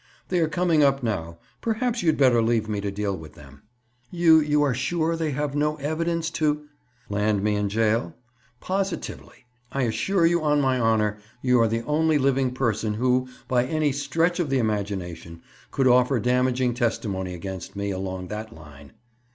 They are coming up now. Perhaps you'd better leave me to deal with them." "You—you are sure they have no evidence to—?" "Land me in jail? Positively. I assure you, on my honor, you are the only living person who, by any stretch of the imagination, could offer damaging testimony against me, along that line."